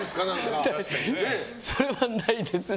それはないですね。